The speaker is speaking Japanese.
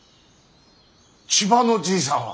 千葉のじいさんは。